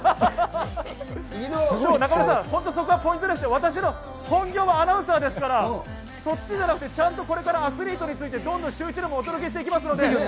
中丸さん、本当にそこがポイントでして、私の本業はアナウンサーですから、そっちじゃなくて、ちゃんとこれからアスリートについて、どんどんシューイチでもお届けしていきますので。